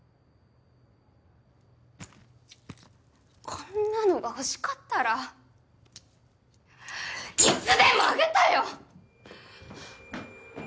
こんなのが欲しかったらいつでもあげたよ！